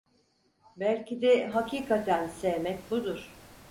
Belki de hakikaten sevmek budur.